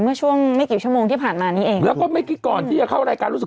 เมื่อช่วงไม่กี่ชั่วโมงที่ผ่านมานี้เองแล้วก็เมื่อกี้ก่อนที่จะเข้ารายการรู้สึก